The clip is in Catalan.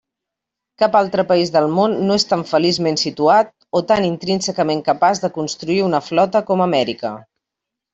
Cap altre país del món no és tan feliçment situat, o tan intrínsecament capaç de construir una flota com Amèrica.